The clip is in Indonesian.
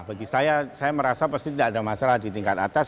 bagi saya saya merasa pasti tidak ada masalah di tingkat atas